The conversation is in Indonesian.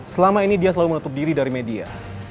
selama ini dia selalu menutup diri dari media